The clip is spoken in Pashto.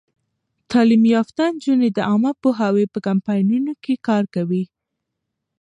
تعلیم یافته نجونې د عامه پوهاوي په کمپاینونو کې کار کوي.